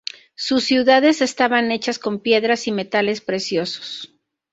Sus ciudades estaban hechas con piedras y metales preciosos.